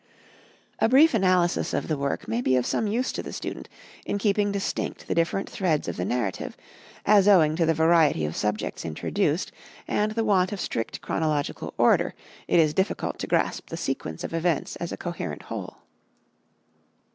A brief analysis of the work may be of some use to the student in keeping distinct the different threads of the narrative, as owing to the variety of subjects introduced, and the want of strict chronological order, it is difficult to grasp the sequence of events as a coherent whole.